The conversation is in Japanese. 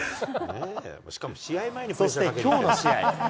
そしてきょうの試合。